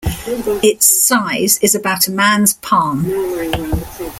Its size is about a man's palm.